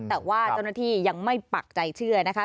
แต่ว่าเจ้าหน้าที่ยังไม่ปักใจเชื่อนะคะ